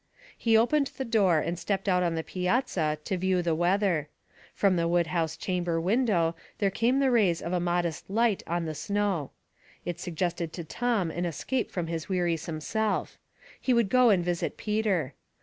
He opened the dooi and stepped out on the piazza lu view the weather. From the wood house chamber win dow there came the rays of a modest light oo A Sermon. 65 the snow. It suggested to Tom an escape from his wearisome self. He would go and visit Peter.